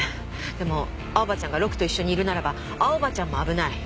でも青葉ちゃんがロクと一緒にいるならば青葉ちゃんも危ない。